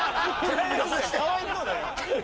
かわいそうだよ。